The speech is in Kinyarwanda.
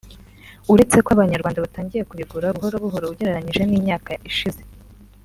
uretse ko n’Abanyarwanda batangiye kubigura buhoro buhoro ugereranyije n’imyaka ishize